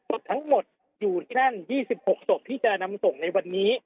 ทั้งหมดอยู่ที่นั่น๒๖ศพที่จะนำส่งในวันนี้